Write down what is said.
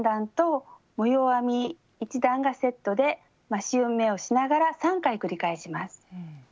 編み１段がセットで増し目をしながら３回繰り返します。